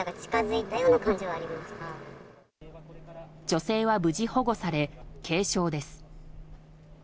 女性は無事保護され軽傷です。